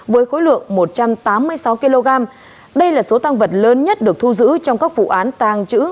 với khối lượng một trăm tám mươi sáu kg đây là số tăng vật lớn nhất được thu giữ trong các vụ án tàng trữ